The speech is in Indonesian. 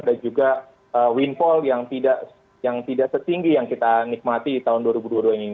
dan juga windfall yang tidak setinggi yang kita nikmati tahun dua ribu dua puluh dua ini